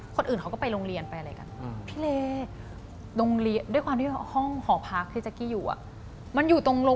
คนอื่นเขาก็ไปโรงเรียนไปอะไรกันพี่เลโรงเรียนด้วยความที่ห้องหอพักที่เจ๊กี้อยู่